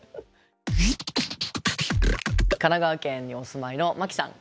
神奈川県にお住まいのマキさん。